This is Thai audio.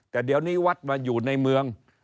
แต่เดี๋ยวนี้วัดมาอยู่ในเมือง